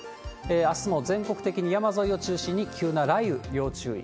あすも全国的に山沿いを中心に急な雷雨、要注意。